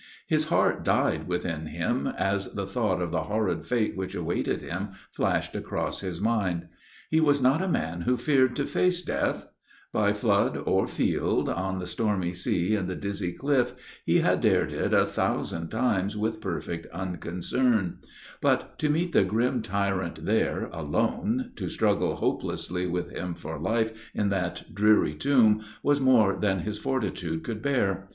His heart died within him, as the thought of the horrid fate which awaited him flashed across his mind. He was not a man who feared to face death; by flood or field, on the stormy sea and the dizzy cliff, he had dared it a thousand times with perfect unconcern; but to meet the grim tyrant there, alone, to struggle hopelessly with him for life in that dreary tomb, was more than his fortitude could bear.